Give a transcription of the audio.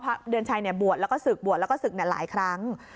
เดือนชัยบวชแล้วก็ศึกบวชแล้วก็ศึกหลายครั้ง